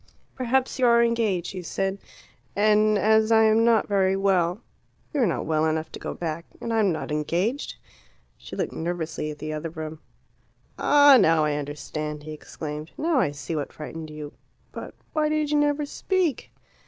"Perhaps you are engaged," she said. "And as I am not very well " "You are not well enough to go back. And I am not engaged." She looked nervously at the other room. "Ah, now I understand," he exclaimed. "Now I see what frightened you. But why did you never speak?"